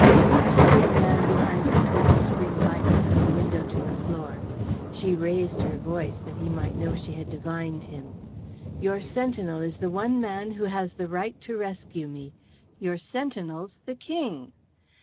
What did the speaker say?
She heard a man behind the curtain spring lightly from the window to the floor. She raised her voice that he might know she had divined him. "Your sentinel is the one man who has the right to rescue me. Your sentinel's the King."